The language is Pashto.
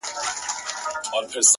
موري ډېوه دي ستا د نور د شفقت مخته وي؛